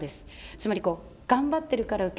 つまり頑張ってるから受け取れない。